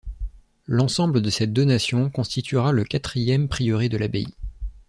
L'ensemble de cette donation constituera le quatrième prieuré de l'abbaye.